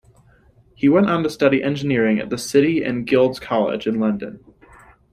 He went on to study engineering at The City and Guilds College in London.